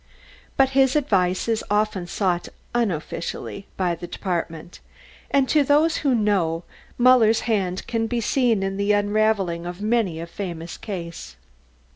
But his advice is often sought unofficially by the Department, and to those who know, Muller's hand can be seen in the unravelling of many a famous case.